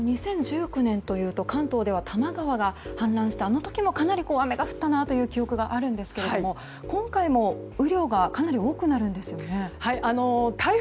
２０１９年というと関東では多摩川が氾濫したあの時もかなり雨が降ったなという記憶があるんですが今回も雨量がかなり多くなるんですよね。